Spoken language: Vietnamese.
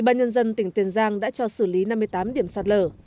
ủy ban nhân dân tỉnh tiền giang đã cho xử lý năm mươi tám điểm sạt lở